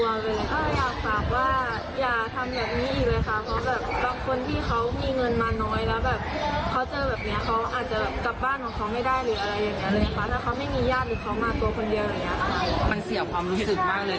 ถ้าเขาไม่มีญาติหรือเขามาตัวคนเดียวอย่างเงี้ยมันเสี่ยวความรู้สึกมากเลย